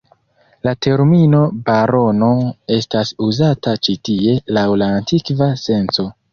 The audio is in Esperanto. La termino barono estas uzata ĉi-tie laŭ la antikva senco.